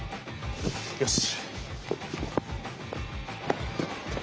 よし。